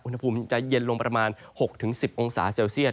อุณหภูมิจะเย็นลงประมาณ๖๑๐องศาเซลเซียต